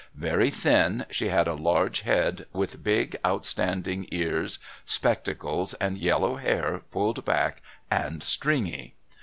Very thin, she had a large head, with big outstanding ears, spectacles, and yellow hair pulled back and "stringy."